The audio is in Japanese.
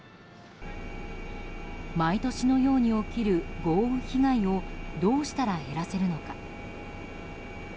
毎年のように起きる豪雨被害をどうしたら減らせるのか。